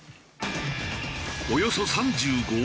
およそ３５億円。